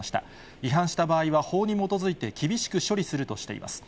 違反した場合は法に基づいて厳しく処理するとしています。